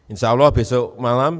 insyaallah besok malam